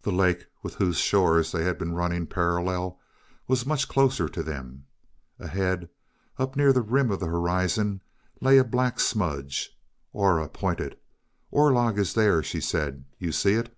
The lake, with whose shore they had been running parallel, was much closer to them. Ahead, up near the rim of the horizon, lay a black smudge. Aura pointed. "Orlog is there," she said. "You see it?"